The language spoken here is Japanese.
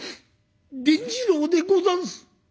伝次郎でござんす」。